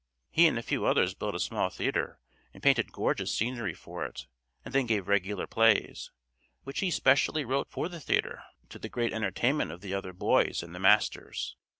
He and a few others built a small theatre and painted gorgeous scenery for it, and then gave regular plays, which he specially wrote for the theatre, to the great entertainment of the other boys and the masters.